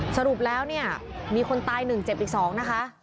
สรุปแล้วเนี่ยมีคนตาย๑เจ็บอีก๒นะคะ